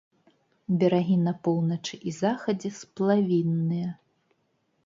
Берагі на поўначы і захадзе сплавінныя.